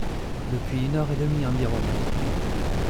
Depuis une heure et demie environ !